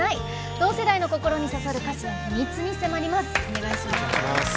同世代の心に刺さる歌詞の秘密に迫ります。